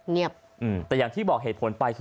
เสียงของหนึ่งในผู้ต้องหานะครับ